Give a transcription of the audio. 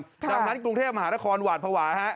จากนั้นกรุงเทพมหานครหวาดภวา